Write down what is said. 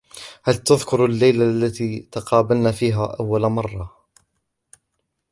هل تذكر الليلة التي تقابلنا فيها أول مرة ؟